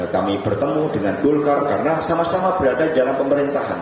kami bertemu dengan golkar karena sama sama berada di dalam pemerintahan